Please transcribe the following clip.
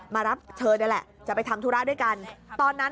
มารับเธอนี่แหละจะไปทำธุระด้วยกันตอนนั้น